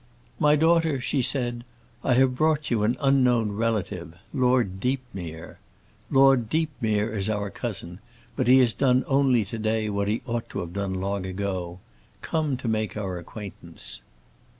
"My daughter," she said, "I have brought you an unknown relative, Lord Deepmere. Lord Deepmere is our cousin, but he has done only to day what he ought to have done long ago—come to make our acquaintance."